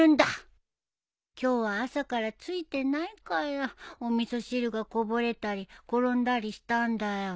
今日は朝からついてないからお味噌汁がこぼれたり転んだりしたんだよ。